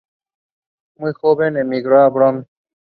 Muy joven, emigró al Bronx.